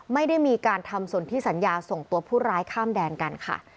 ไม่ได้มีการทำส่วนที่สัญญาส่งตัวผู้ร้ายข้ามแดนกันค่ะ